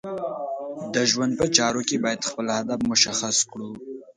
د ژوند په چارو کې باید خپل هدف مشخص کړو.